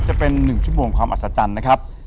จะเป็น๑ชั่วโมงความอัศจรรย์นะครับ